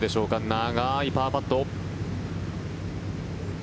長いパーパット。